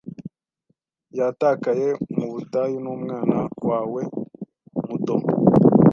Yatakaye mu butayu Numwana wawe muto